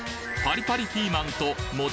パリパリピーマン。